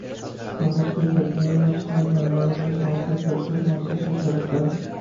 Los bosques de los Apeninos son similares a los bosques de otros macizos europeos.